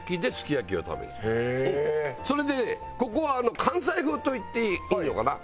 それでここは関西風といっていいのかな。